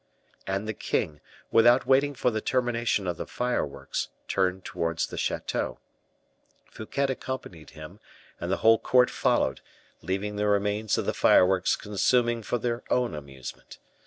And the king, without waiting for the termination of the fireworks, turned towards the chateau. Fouquet accompanied him, and the whole court followed, leaving the remains of the fireworks consuming for their own amusement.